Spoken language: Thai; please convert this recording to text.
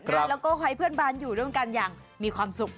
แล้วก็ให้เพื่อนบ้านอยู่ร่วมกันอย่างมีความสุข